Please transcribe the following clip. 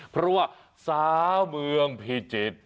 เพราะว่าสาวเมืองพิจิตร